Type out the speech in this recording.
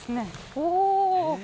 お！